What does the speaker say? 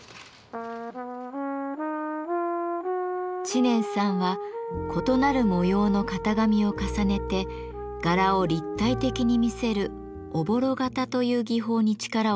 知念さんは異なる模様の型紙を重ねて柄を立体的に見せる「おぼろ型」という技法に力を注いでいます。